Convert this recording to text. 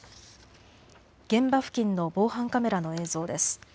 現場付近の防犯カメラの映像です。